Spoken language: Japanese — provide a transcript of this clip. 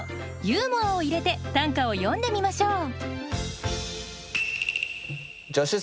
ユーモアを入れて短歌を詠んでみましょう。